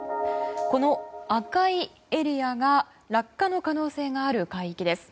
この赤いエリアが落下の可能性がある海域です。